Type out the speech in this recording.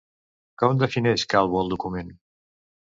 Com defineix Calvo el document?